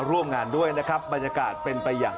ร่วมงานด้วยนะครับบรรยากาศเป็นไปอย่าง